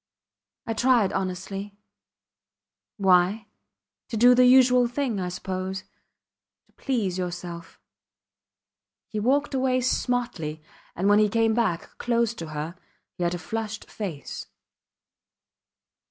I tried honestly. ... Why? ... To do the usual thing I suppose. ... To please yourself. He walked away smartly, and when he came back, close to her, he had a flushed face.